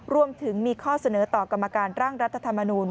รวมถึงมีข้อเสนอต่อกรรมการร่างรัฐธรรมนูล